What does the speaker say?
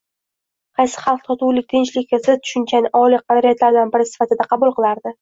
– qaysi xalq totuvlik-tinchlikka zid tushunchani oliy qadriyatlardan biri sifatida qabul qilardi?